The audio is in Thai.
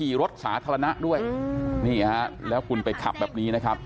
รถสาธารณะด้วยนี่ฮะแล้วคุณไปขับแบบนี้นะครับ